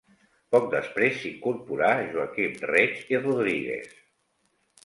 Poc després s'hi incorporà Joaquim Reig i Rodríguez.